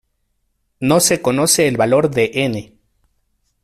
No se conoce el valor de "n".